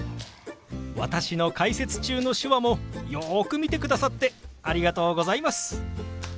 私の解説中の手話もよく見てくださってありがとうございます！